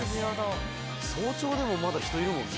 早朝でもまだ人いるもんね。